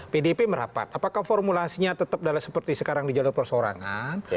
pdip merapat apakah formulasinya tetap adalah seperti sekarang di jalur persorangan